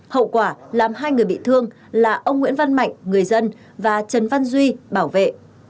hậu quả làm hai người bị thương là ông nguyễn văn mạnh người dân và trần văn duy bảo vệ